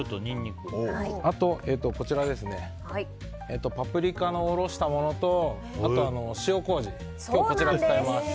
あと、パプリカのおろしたものとあと、塩麹今日はこちらを使います。